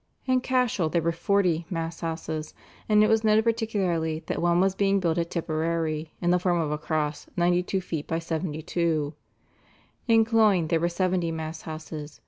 In Cashel there were forty "Mass houses," and it was noted particularly that one was being built at Tipperary, "in the form of a cross, ninety two feet by seventy two;" in Cloyne there were seventy Mass houses.